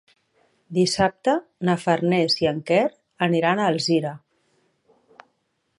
Dissabte na Farners i en Quer aniran a Alzira.